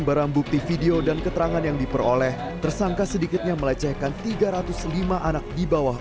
barang bukti video dan keterangan yang diperoleh tersangka sedikitnya melecehkan tiga ratus lima anak di bawah